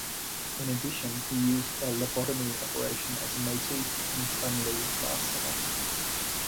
In addition, he used a lobotomy operation as a motif in "Suddenly, Last Summer".